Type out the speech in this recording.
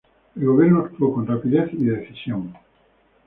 El gobierno actuó con rapidez y decisión.